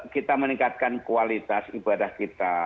kita meningkatkan kualitas ibadah kita